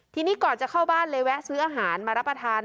ทีนี้ก่อนจะเข้าบ้านเลยแวะซื้ออาหารมารับประทาน